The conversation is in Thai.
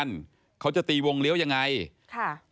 กลุ่มวัยรุ่นก็ตอบไปว่าเอ้าก็จอดรถจักรยานยนต์ตรงแบบเนี้ยมานานแล้วอืม